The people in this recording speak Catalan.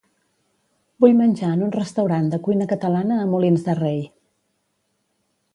Vull menjar en un restaurant de cuina catalana a Molins de Rei.